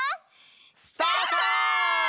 スタート！